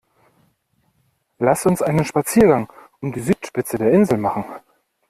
Lass uns einen Spaziergang um die Südspitze der Insel machen!